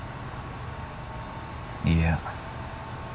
いや